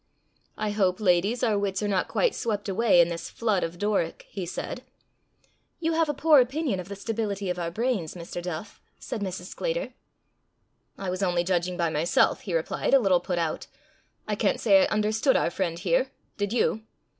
"I hope, ladies, our wits are not quite swept away in this flood of Doric," he said. "You have a poor opinion of the stability of our brains, Mr. Duff," said Mrs. Sclater. "I was only judging by myself," he replied, a little put out. "I can't say I understood our friend here. Did you?"